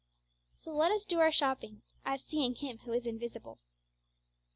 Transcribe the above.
So let us do our shopping 'as seeing Him who is invisible.'